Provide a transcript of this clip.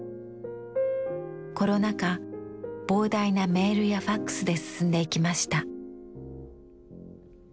コロナ禍膨大なメールやファックスで進んでいきました。